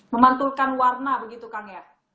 memantulkan warna begitu kang ya